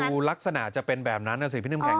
ลักษณะจะเป็นแบบนั้นนะสิพี่น้ำแข